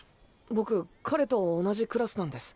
僕彼と同じクラスなんです。